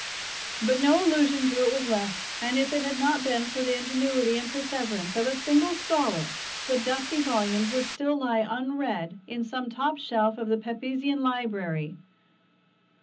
But no allusion to it was left, and if it had not been for the ingenuity and perseverance of a single scholar the dusty volumes would still lie unread in some top shelf of the Pepysian Library.